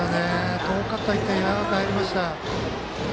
遠かった１点ようやく入りました。